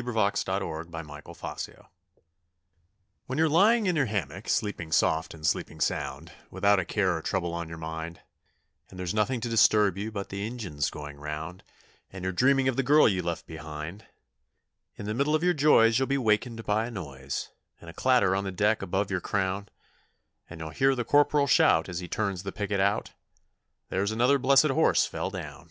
There's Another Blessed Horse Fell Down When you're lying in your hammock, sleeping soft and sleeping sound, Without a care or trouble on your mind, And there's nothing to disturb you but the engines going round, And you're dreaming of the girl you left behind; In the middle of your joys you'll be wakened by a noise, And a clatter on the deck above your crown, And you'll hear the corporal shout as he turns the picket out, 'There's another blessed horse fell down.'